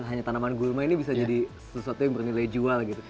hanya tanaman gulma ini bisa jadi sesuatu yang bernilai jual gitu